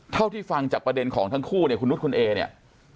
เท่าที่ฟังจากประเด็นของทั้งคู่เนี่ยคุณนุษย์คุณเอเนี่ย